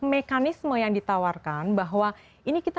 mekanisme yang ditawarkan bahwa ini kita